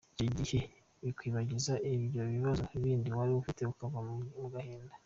Icyo gihe bikwibagiza bya bibazo bindi wari ufite ukava mu gahinda.